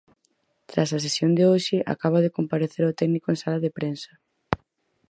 Tras a sesión de hoxe acaba de comparecer o técnico en sala de prensa.